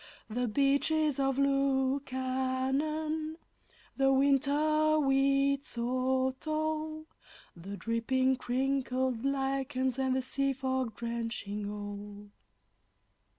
The Beaches of Lukannon the winter wheat so tall The dripping, crinkled lichens, and the sea fog drenching all!